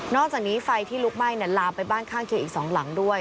อกจากนี้ไฟที่ลุกไหม้ลามไปบ้านข้างเคียงอีก๒หลังด้วย